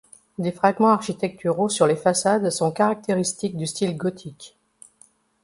Des fragments architecturaux sur les façades sont caractéristiques du style gothique.